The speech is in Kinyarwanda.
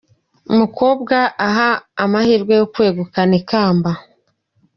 com umukobwa aha amahirwe yo kwegukana ikamba.